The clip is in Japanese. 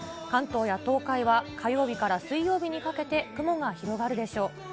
関東や東海は、火曜日から水曜日にかけて雲が広がるでしょう。